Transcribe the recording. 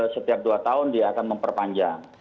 setiap dua tahun dia akan memperpanjang